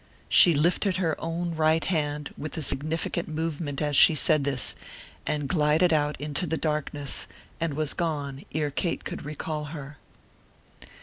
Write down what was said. She lifted her own right hand with a significant movement as she said this, and glided out into the darkness and was gone ere Kate could recall her.